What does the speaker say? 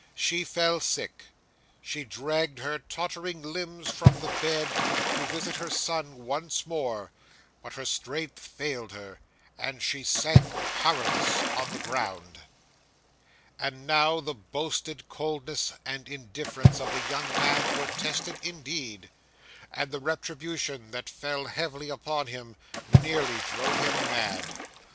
She fell sick. She dragged her tottering limbs from the bed to visit her son once more, but her strength failed her, and she sank powerless on the ground. 'And now the boasted coldness and indifference of the young man were tested indeed; and the retribution that fell heavily upon him nearly drove him mad.